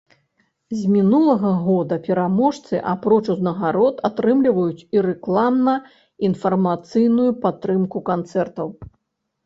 З мінулага года пераможцы апроч узнагарод атрымліваюць і рэкламна-інфармацыйную падтрымку канцэртаў.